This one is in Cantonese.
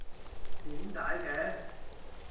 點解嘅？